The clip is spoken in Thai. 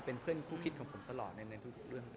เป็นเพื่อนคู่คิดของผมตลอดในทุกเรื่อง